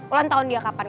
ulang tahun dia kapan